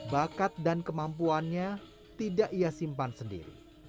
bakat dan kemampuannya tidak ia simpan sendiri